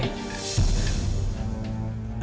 dengan kakinya yang gitu